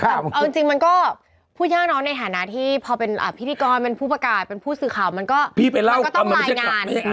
แต่เอาจริงมันก็พูดยากเนอะในฐานะที่พอเป็นพิธีกรเป็นผู้ประกาศเป็นผู้สื่อข่าวมันก็ต้องรายงาน